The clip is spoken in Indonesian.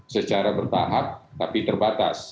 secara bertahap tapi terbatas